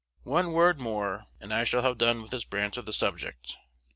One word more, and I shall have done with this branch of the subject.